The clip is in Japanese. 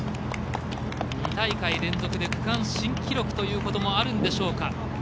２大会連続で区間新記録ということもあるんでしょうか。